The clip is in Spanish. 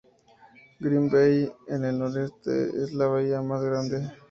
Green Bay en el noroeste es la bahía más grande.